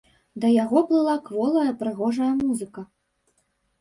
Да яго плыла кволая прыгожая музыка.